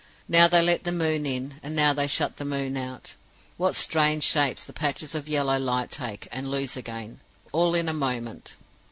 Now they let the moon in; and now they shut the moon out. What strange shapes the patches of yellow light take, and lose again, all in a moment!